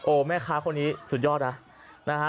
โอ้แม่ค้าคนนี้สุดยอดนะ